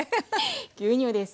牛乳です。